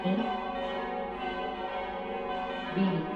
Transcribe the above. بینی